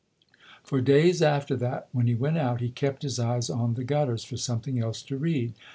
For days after that, when he went out, he kept his eyes on the gutters for something else to read.